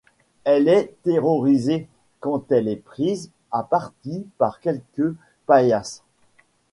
Elle est terrorisée quand elle est prise à partie par quelques Pailhasses.